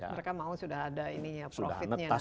mereka mau sudah ada ini profitnya nanti